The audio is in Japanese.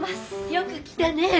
よく来たねえ。